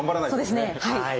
そうですねはい。